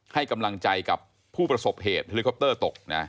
ให้กำลังใจกับผู้ประสบเหตุเฮลิคอปเตอร์ตกนะ